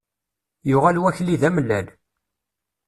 Yuɣal wakli d amellal.